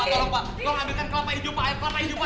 tolong pak lo ambilkan kelapa hijau pak ayam parla hijau pak